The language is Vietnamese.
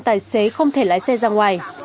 tài xế không thể lái xe ra ngoài